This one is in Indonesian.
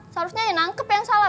seharusnya yang nangkep yang salah